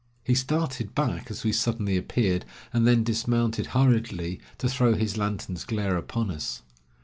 He started back, as we suddenly appeared, and then dismounted, hurriedly, to throw his lantern's glare upon us.